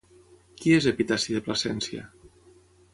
Qui és Epitaci de Plasència?